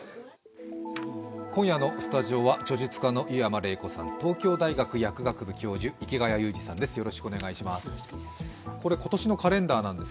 今夜のスタジオは、著述家の湯山玲子さん、東京大学薬学部教授、池谷裕二さんです。